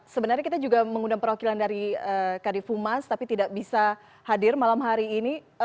sebenarnya kita juga mengundang perwakilan dari kd fumas tapi tidak bisa hadir malam hari ini